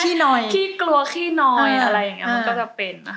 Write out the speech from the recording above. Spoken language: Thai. ขี้น้อยคิดกลัวขี้น้อยอะไรอย่างเงี้ยมันก็จะเป็น